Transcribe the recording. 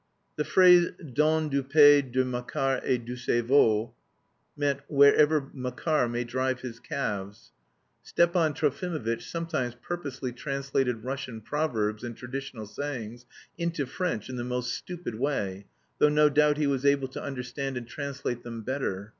The phrase "dans le pays de Makar et de ses veaux" meant: "wherever Makar may drive his calves." Stepan Trofimovitch sometimes purposely translated Russian proverbs and traditional sayings into French in the most stupid way, though no doubt he was able to understand and translate them better.